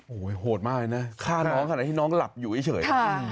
โอ้โหโหดมากเลยนะฆ่าน้องขนาดที่น้องหลับอยู่เฉย